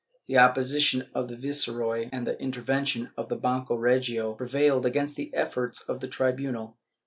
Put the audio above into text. The opposition of the viceroy and the intervention of the Banco Regio prevailed against the efforts of the tribunal.